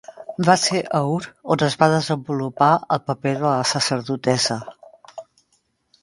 Va ser a Ur on es va desenvolupar el paper de la sacerdotessa.